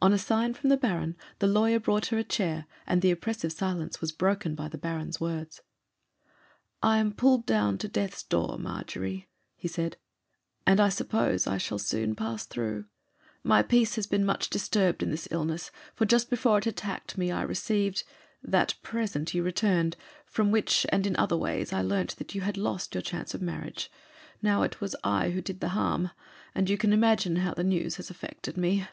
On a sign from the Baron the lawyer brought her a chair, and the oppressive silence was broken by the Baron's words. 'I am pulled down to death's door, Margery,' he said; 'and I suppose I soon shall pass through ... My peace has been much disturbed in this illness, for just before it attacked me I received—that present you returned, from which, and in other ways, I learnt that you had lost your chance of marriage ... Now it was I who did the harm, and you can imagine how the news has affected me.